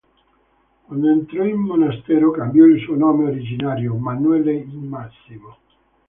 Quando entrò in monastero cambiò il suo nome originario Manuele in Massimo.